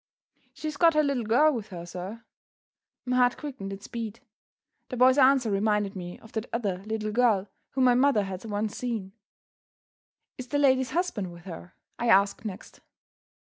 "She's got her little girl with her, sir." My heart quickened its beat. The boy's answer reminded me of that other little girl whom my mother had once seen. "Is the lady's husband with her?" I asked next.